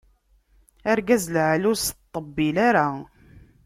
Argaz lɛali ur as-teṭṭebbil ara.